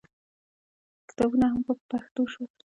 کتابونه هم په پښتو شول.